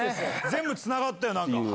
全部つながったよ、なんか。